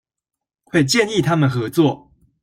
會建議他們合作